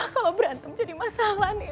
kalau berantem jadi masalah nih